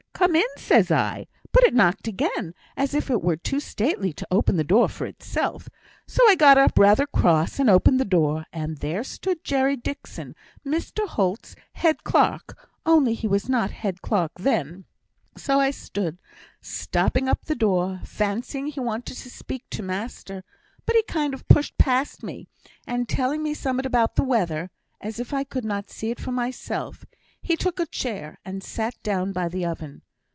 'Come in!' says I; but it knocked again, as if it were too stately to open the door for itself; so I got up, rather cross, and opened the door; and there stood Jerry Dixon, Mr Holt's head clerk; only he was not head clerk then. So I stood, stopping up the door, fancying he wanted to speak to master; but he kind of pushed past me, and telling me summut about the weather (as if I could not see it for myself), he took a chair, and sat down by the oven.